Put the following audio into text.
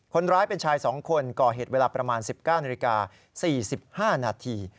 คนร้ายเป็นชาย๒คนก่อเหตุเวลาประมาณ๑๙นาฬิกา๔๕นาที